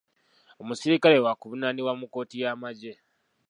Omusirikale waakuvunaanibwa mu kkooti y'amagye.